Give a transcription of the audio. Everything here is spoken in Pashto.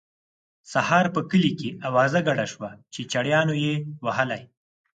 سهار په کلي کې اوازه ګډه شوه چې چړیانو یې وهلی.